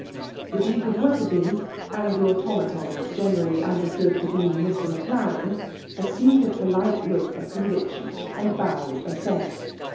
The Duke of Wetherby, a2id the autonatoa generally understood to be Mr. Maclaren, assuined a polite look of conviction^ and bowed assent.